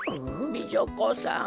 美女子さん。